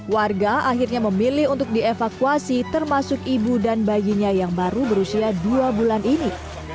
warga akhirnya memilih untuk dievakuasi termasuk ibu dan bayinya yang baru berusia dua bulan ini